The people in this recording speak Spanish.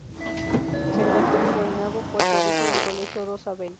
Se graduó en Guaynabo, Puerto Rico del Colegio Rosa-Bell.